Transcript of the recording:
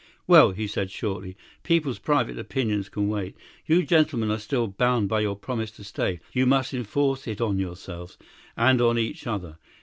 "Well," he said shortly, "people's private opinions can wait. You gentlemen are still bound by your promise to stay; you must enforce it on yourselves and on each other.